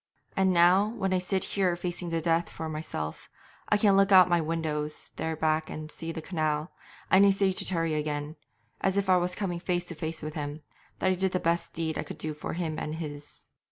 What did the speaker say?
'And now, when I sit here facing the death for myself, I can look out of my windows there back and see the canal, and I say to Terry again, as if I was coming face to face with him, that I did the best deed I could do for him and his.